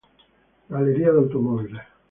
Galería de Automóviles.